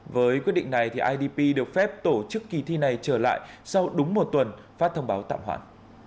với quyết định này idp được phép tổ chức kỳ thi này trở lại sau đúng một tuần phát thông báo tạm hoãn